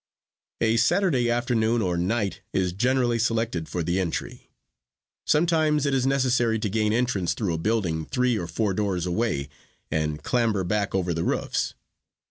"A Saturday afternoon or night is generally selected for the entry. Sometimes it is necessary to gain entrance through a building three or four doors away and clamber back over the roofs.